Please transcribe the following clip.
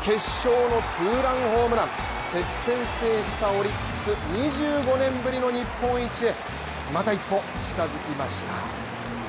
決勝の２ランホームラン接戦制したオリックス２５年ぶりの日本一へ、また一歩近づきました。